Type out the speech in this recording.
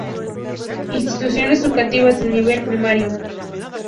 Instituciones Educativas de Nivel Primario.